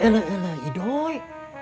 elah elah idoi